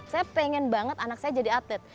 saya pengen banget anak saya jadi atlet